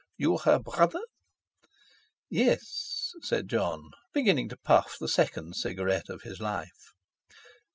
You her brother?" "Yes," said Jon, beginning to puff the second cigarette of his life.